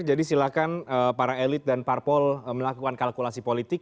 jadi silakan para elit dan parpol melakukan kalkulasi politik